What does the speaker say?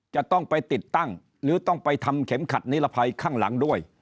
จะต้องไปติดตั้งหรือต้องไปทำเข็มขัดนิรภัยข้างหลังด้วย